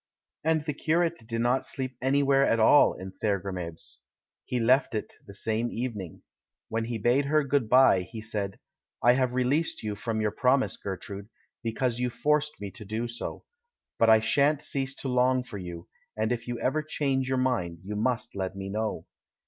And the curate did not sleep anywhere at all in Thergrimabes — he left it the same evening. When he bade her "Good bye," he said, "I have released you from your promise, Gertrude, be cause you forced me to do so; but I shan't cease to long for you, and if you ever change your mind, you must let m^e know.